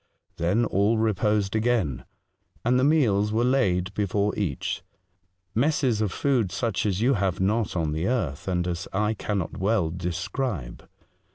Then all reposed again, and the meals were laid before each — messes of food such as you have not on the earth, and as I cannot well describe.